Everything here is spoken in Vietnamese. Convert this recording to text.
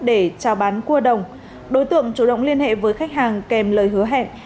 để trao bán cua đồng đối tượng chủ động liên hệ với khách hàng kèm lời hứa hẹn